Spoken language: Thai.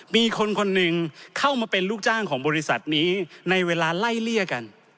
มีคนคนหนึ่งเข้ามาเป็นลูกจ้างของบริษัทนี้ในเวลาไล่เลี่ยกัน